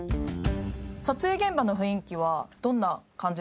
撮影現場の雰囲気はどんな感じでしたか？